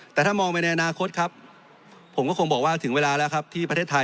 แต่ถ้ามองไปในอนาคตผมต้องบอกว่าถึงเวลาที่ประเทศไทย